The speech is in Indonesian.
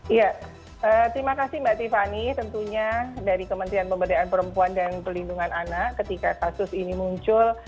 iya terima kasih mbak tiffany tentunya dari kementerian pemberdayaan perempuan dan pelindungan anak ketika kasus ini muncul